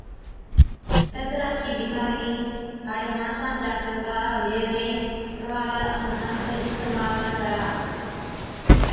ڏَدرا چِي بِيمارِي هاڙي ماڻسا چا گنگا، ليوين، ٽروال ائُون هنڌ اِستعمال نہ ڪر۔